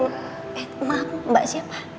eh maaf mbak siapa